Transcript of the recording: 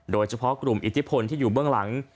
โดยเฉพาะกลุ่มอิทธิพลที่อยู่เบื้องหลัง